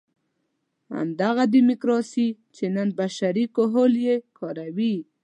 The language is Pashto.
همدغه ډیموکراسي چې نن بشري کهول یې کاروي.